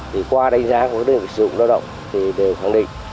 thì qua đánh giá của các đơn vị sử dụng lao động thì đều khẳng định